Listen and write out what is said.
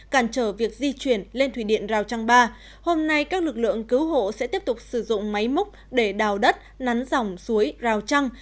cản trở việc di chuyển lên thủy điện rào trăng ba hôm nay các lực lượng cứu hộ sẽ tiếp tục sử dụng máy múc để đào đất nắn dòng suối rào trăng